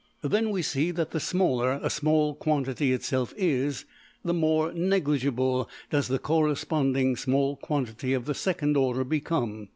Then we see that the smaller a small quantity itself is, the more negligible does the corresponding small quantity of the second order become.